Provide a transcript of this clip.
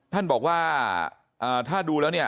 ท่านบอกว่าถ้าดูแล้วเนี่ย